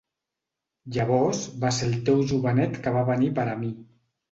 Llavors va ser el teu jovenet que va venir per a mi.